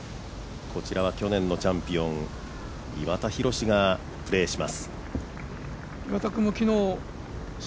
こちらは去年のチャンピオン岩田寛がプレーします。